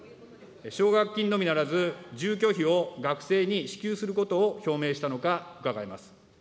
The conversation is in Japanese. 奨学金のみならず、住居費を学生に支給することを表明したのか伺います。